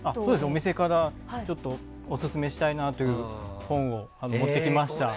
お店からオススメしたいなという本を持ってきました。